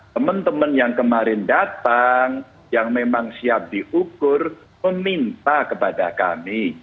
teman teman yang kemarin datang yang memang siap diukur meminta kepada kami